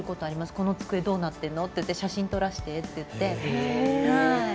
この机、どうなってるの？って写真撮らせてって。